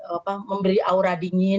apa memberi aura